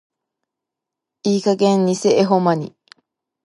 いい加減偽絵保マニ。